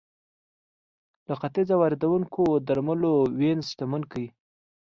له ختیځه واردېدونکو درملو وینز شتمن کړ